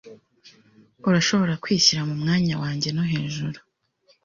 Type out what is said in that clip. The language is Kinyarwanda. urashobora kwishyira mu mwanya wanjye no hejuru ...